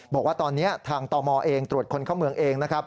บอกว่าตอนนี้ทางตมเองตรวจคนเข้าเมืองเองนะครับ